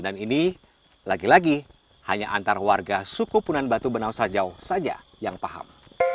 dan ini lagi lagi hanya antara warga suku punan batu benau sajau saja yang paham